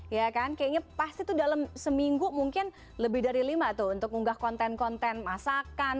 kayaknya pasti dalam seminggu mungkin lebih dari lima untuk mengunggah konten konten masakan